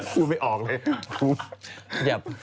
พูดไม่ออกเลย